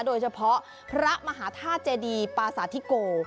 โดยเฉพาะพระมหาธาตุเจดีปาสาธิโก